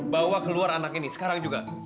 bawa keluar anak ini sekarang juga